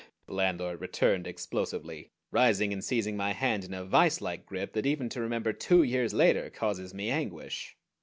_" the landlord returned explosively, rising and seizing my hand in a viselike grip that even to remember two years later causes me anguish.